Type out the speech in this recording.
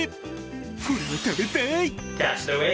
これは食べたい！